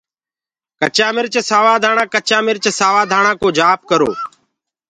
ڪچآ مِرچ سوآ ڌآڻآ ڪچآ مِرچ سآوآ ڌآڻآ ڪچآ مِرچ سآوآ ڌآڻآ ڪو جآپ ڪرو۔